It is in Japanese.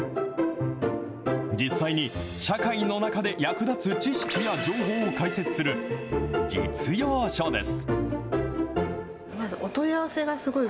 実際に社会の中で役立つ知識や情報を解説する、実用書です。